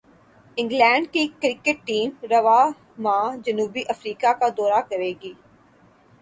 England کی cricket team رواں ماہ جنوبی افریقہ کا دورہ کرے گی